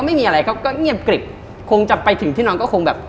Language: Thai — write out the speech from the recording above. ไม่มีอะไรเขาก็เงียบกริบคงจะไปถึงที่นอนก็คงแบบ